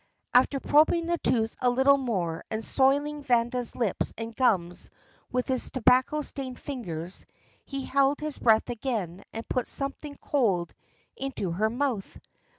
After probing the tooth a little more and soiling Vanda's lips and gums with his tobacco stained fingers, he held his breath again, and put something cold into her mouth.